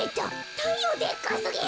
たいようでっかすぎる。